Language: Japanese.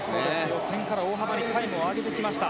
予選から大幅にタイムを上げてきました。